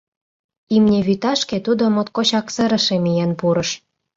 Имне вӱташке тудо моткочак сырыше миен пурыш.